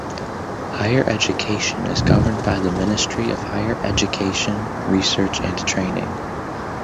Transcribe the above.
Higher education is governed by the Ministry of Higher Education, Research, and Training.